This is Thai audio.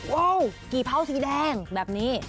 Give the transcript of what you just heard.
ว้าวกี่เผาสีแดงแบบนี้